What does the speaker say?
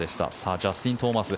ジャスティン・トーマス。